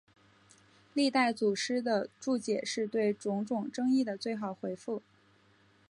历代祖师的注解是对种种争议的最好回复。